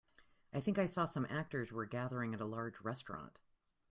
I think I saw some actors were gathering at a large restaurant.